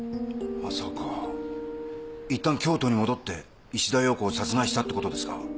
まさかいったん京都に戻って石田洋子を殺害したってことですか？